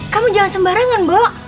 kamu jangan sembarangan mbak